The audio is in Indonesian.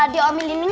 dia omilin minum ya